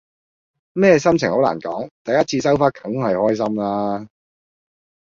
咩心情好難講，第一次收花梗係開心啦